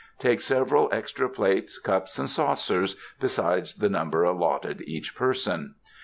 Take sev eral extra plates, cups and saucers, besides the num ber allotted each person.